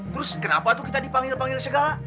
terus kenapa tuh kita dipanggil panggil segala